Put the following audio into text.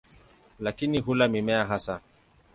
Lakini hula mimea hasa.